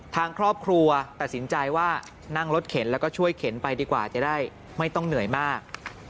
ทางครอบครัวตัดสินใจว่านั่งรถเข็นแล้วก็ช่วยเข็นไปดีกว่าจะได้ไม่ต้องเหนื่อยมาก